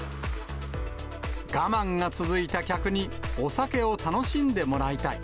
我慢が続いた客にお酒を楽しんでもらいたい。